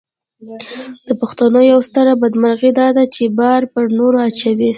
د پښتنو یوه ستره بدمرغي داده چې بار پر نورو اچوي.